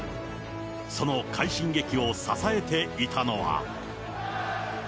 その快進撃を支えていたのは。